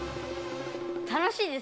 楽しいです。